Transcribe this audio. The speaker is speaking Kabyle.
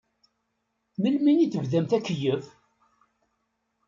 Melmi i tebdamt akeyyef?